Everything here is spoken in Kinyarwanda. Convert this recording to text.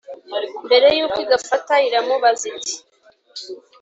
Mbere y'uko igafata, iramubaza iti: